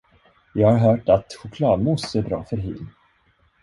Jag har hört att chokladmousse är bra för hyn.